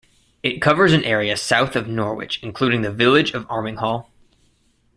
It covers an area south of Norwich including the village of Arminghall.